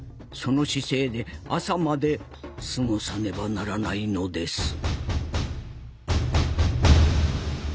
その姿勢で朝まで過ごさねばならないのです。